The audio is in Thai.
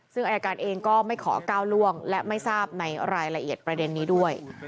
ซึ่งอายการเองก็ไม่ขอก้าวล่วงและไม่ทราบในรายละเอียดประเด็นนี้ด้วย